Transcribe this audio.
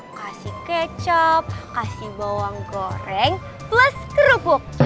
kasih kecap kasih bawang goreng plus kerebuk